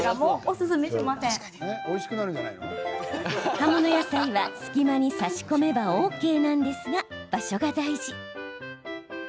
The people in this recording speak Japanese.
葉物野菜は隙間に差し込めばＯＫなんですが場所が大事。